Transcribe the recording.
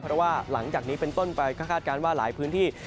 เพราะว่าหลังจากนี้เป็นต้นไปก็คาดการณ์ว่าหลายพื้นที่